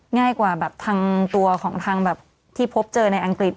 ง่ายกว่าแบบทางตัวของทางแบบที่พบเจอในอังกฤษ